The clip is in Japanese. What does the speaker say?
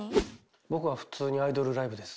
僕は普通にアイドルライブです。